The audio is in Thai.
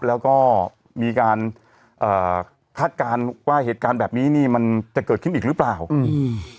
แล้วก็มีการเอ่อคาดการณ์ว่าเหตุการณ์แบบนี้นี่มันจะเกิดขึ้นอีกหรือเปล่าอืม